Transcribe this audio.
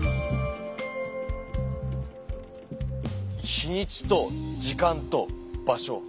日にちと時間と場所。